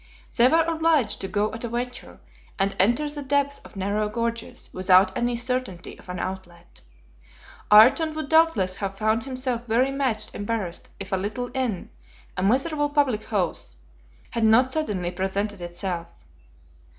They were obliged to go at a venture, and enter the depths of narrow gorges without any certainty of an outlet. Ayrton would doubtless have found himself very much embarrassed if a little inn, a miserable public house, had not suddenly presented itself.